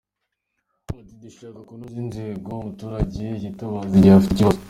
Ati “Dushaka kunoza inzego umuturage yitabaza igihe afite ikibazo.